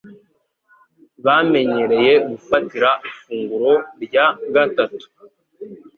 bamenyereye gufatira ifunguro rya gatatu.